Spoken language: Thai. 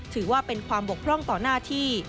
ถือว่าเป็นความบกพร่องต่อหน้าที่